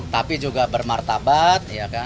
tapi juga bermartabat